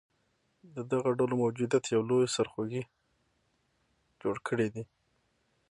د دغه ډلو موجودیت یو لوی سرخوږې جوړ کړیدی